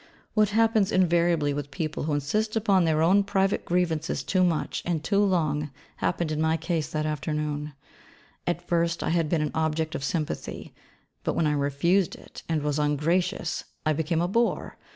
What happens invariably with people who insist upon their own private grievances too much, and too long, happened in my case that afternoon: at first I had been an object of sympathy, but when I refused it, and was ungracious, I became a bore.